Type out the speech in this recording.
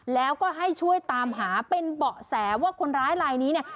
แล้วก็ให้ช่วยตามหาเป็นเบาะแสว่าคนร้ายลายนี้เนี่ย